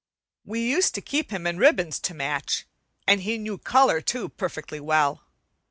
We used to keep him in ribbons to match, and he knew color, too, perfectly well.